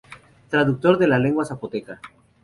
Traductor de la lengua zapoteca.